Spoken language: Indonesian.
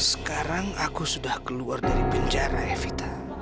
sekarang aku sudah keluar dari penjara evita